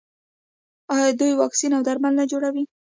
آیا دوی واکسین او درمل نه جوړوي؟